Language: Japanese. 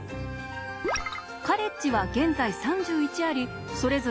カレッジは現在３１ありそれぞれ特徴があります。